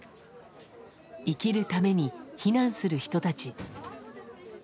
生きるために避難する人たち。